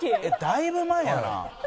だいぶ前やな。